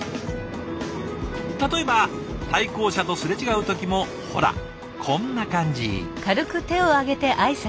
例えば対向車と擦れ違う時もほらこんな感じ。